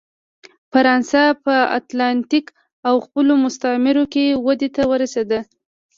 فرانسه په اتلانتیک او خپلو مستعمرو کې ودې ته ورسېده.